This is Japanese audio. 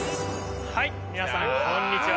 はい皆さんこんにちは。